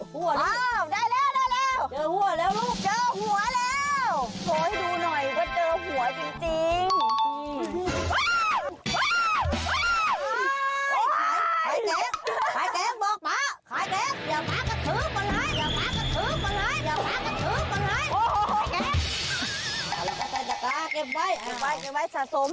หัวนี่